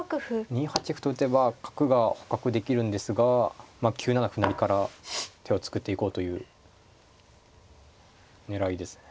２八歩と打てば角が捕獲できるんですが９七歩成から手を作っていこうという狙いですね。